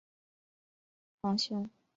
黄胸鹬为鹬科滨鹬属下的一个种。